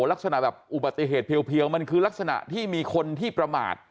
ลักษณะแบบอุบัติเหตุเพียวมันคือลักษณะที่มีคนที่ประมาท